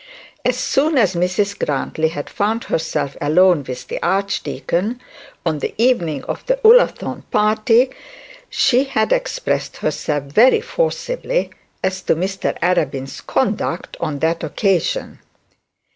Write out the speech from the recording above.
As soon as Mrs Grantly had found herself alone with the archdeacon, on the evening of the Ullathorne party, she had expressed herself very forcibly as to Mr Arabin's conduct on that occasion.